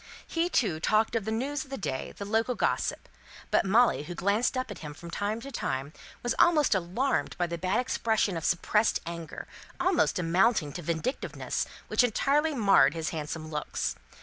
He, too, talked of the news of the day, the local gossip but Molly, who glanced up at him from time to time, was almost alarmed by the bad expression of suppressed anger, almost amounting to vindictiveness, which entirely marred his handsome looks.